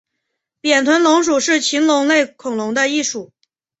扁臀龙属是禽龙类恐龙的一属。